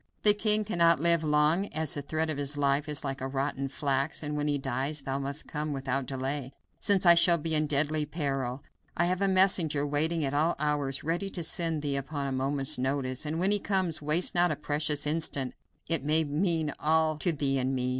The king cannot live long, as the thread of his life is like rotten flax, and when he dies thou must come without delay, since I shall be in deadly peril. I have a messenger waiting at all hours ready to send to thee upon a moment's notice, and when he comes waste not a precious instant; it may mean all to thee and me.